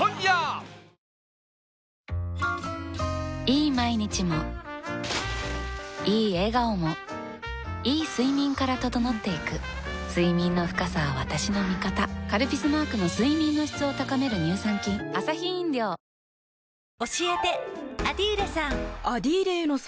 いい毎日もいい笑顔もいい睡眠から整っていく睡眠の深さは私の味方「カルピス」マークの睡眠の質を高める乳酸菌人間を司る大切な「脳」